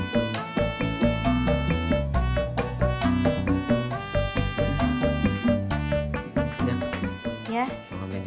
kakak tisna kakak tisna kenapa